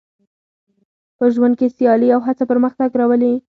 په ژوند کې سیالي او هڅه پرمختګ راولي.